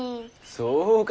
そうか。